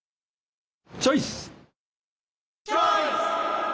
チョイス！